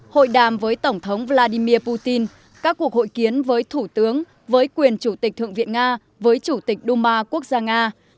hội đàm với tổng thống vladimir putin các cuộc hội kiến với thủ tướng với quyền chủ tịch thượng viện nga với chủ tịch đu ma quốc gia nga